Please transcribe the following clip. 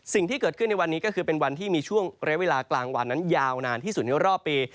สิ่งที่เกิดขึ้นในวันนี้ก็คือเป็นวันที่มีช่วงระยะเวลากลางวันนั้นยาวนานที่สุดในรอบปี